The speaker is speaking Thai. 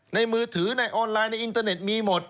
มือถือในออนไลน์ในอินเตอร์เน็ตมีหมด